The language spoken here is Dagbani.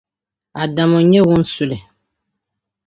Adamu n-nyɛ ŋun su li.